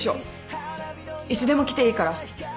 いつでも来ていいから。